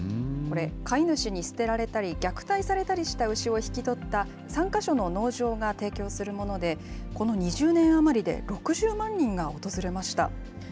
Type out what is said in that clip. これ、飼い主に捨てられたり、虐待されたりした牛を引き取った３か所の農場が提供するもので、この２０年余りで６０万人が訪れました。